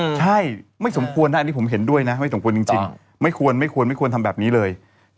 ใช่ไม่สมควรนะอันนี้ผมเห็นด้วยนะไม่สมควรจริงไม่ควรไม่ควรทำแบบนี้เลย